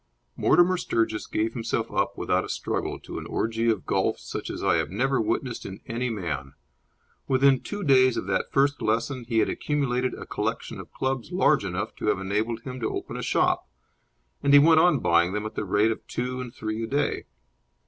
Mortimer Sturgis gave himself up without a struggle to an orgy of golf such as I have never witnessed in any man. Within two days of that first lesson he had accumulated a collection of clubs large enough to have enabled him to open a shop; and he went on buying them at the rate of two and three a day.